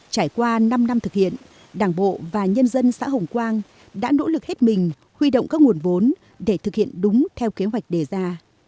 trải qua năm năm thực hiện đảng bộ và nhân dân xã hồng quang đã nỗ lực hết mình huy động các nguồn vốn để thực hiện đúng theo kế hoạch đề ra